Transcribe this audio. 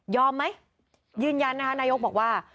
ยอมไหมยืนยันนะคะนายกรัฐมนตรีบอกว่า